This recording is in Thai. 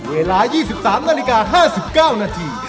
เวลา๒๓นาฬิกา๕๙นาที